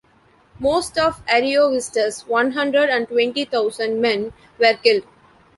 Most of Ariovistus' one-hundred and twenty thousand men were killed.